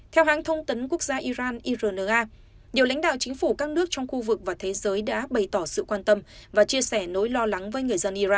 theo hãng thông tấn quốc gia iran iran nga nhiều lãnh đạo chính phủ các nước trong khu vực và thế giới đã bày tỏ sự quan tâm và chia sẻ nỗi lo lắng